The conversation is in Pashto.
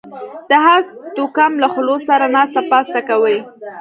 د هر توکم له خلکو سره ناسته پاسته کوئ